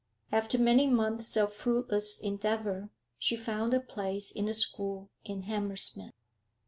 After many months of fruitless endeavour, she found a place in a school in Hammersmith....